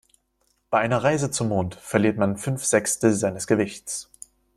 Bei einer Reise zum Mond verliert man fünf Sechstel seines Gewichts.